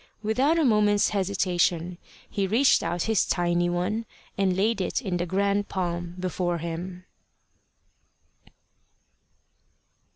Without a moment's hesitation he reached out his tiny one, and laid it in the grand palm before him.